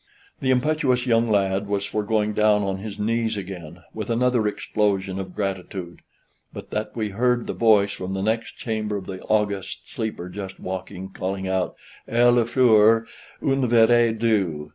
The impetuous young lad was for going down on his knees again, with another explosion of gratitude, but that we heard the voice from the next chamber of the august sleeper, just waking, calling out: "Eh, La Fleur, un verre d'eau!"